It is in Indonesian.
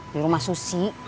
di rumah susi